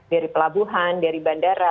dari pelabuhan dari bandara